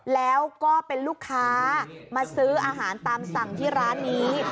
แล้วก็เป็นลูกค้ามาซื้ออาหารตามสั่งที่ร้านนี้